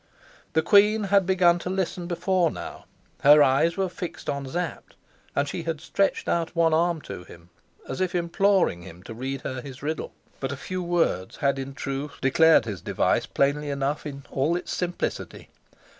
The queen had begun to listen before now; her eyes were fixed on Sapt, and she had stretched out one arm to him, as if imploring him to read her his riddle. But a few words had in truth declared his device plainly enough in all its simplicity.